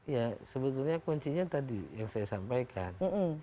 ya sebetulnya kuncinya tadi yang saya sampaikan